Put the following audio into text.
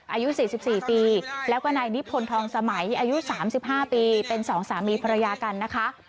อายุ๔๔ปีแล้วก็นายนิพนธ์ทองสมัยอายุ๓๕ปีเป็นสองสามีภรรยากันนะคะ